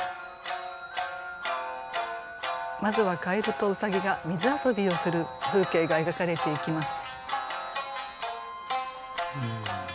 まずは蛙と兎が水遊びをする風景が描かれていきます。